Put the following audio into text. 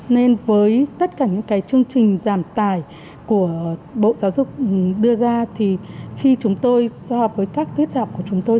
nên với tất cả những cái chương trình giảm tài của bộ giáo dục đưa ra thì khi chúng tôi so với các tiết học của chúng tôi